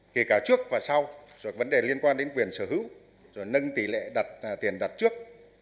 kể cả trước và sau rồi vấn đề liên quan đến quyền sở hữu rồi nâng tỷ lệ đặt tiền đặt trước